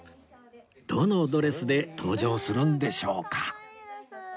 どのドレスで登場するんでしょうか？